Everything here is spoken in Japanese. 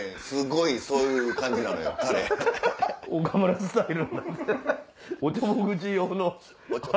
すごいそういう感じなのよ。